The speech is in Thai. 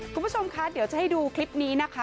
คุณผู้ชมคะเดี๋ยวจะให้ดูคลิปนี้นะคะ